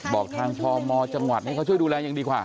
บอกทางพมจังหวัดให้เขาช่วยดูแลยังดีกว่า